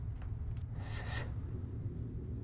先生